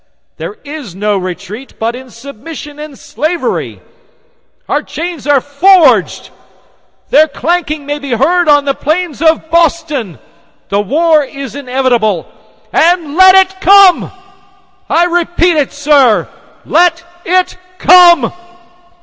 There is no retreat but in submission and slavery! Our chains are forged! Their clanking may be heard on the plains of Boston! The war is inevitable and let it come! I repeat it, sir, let it come.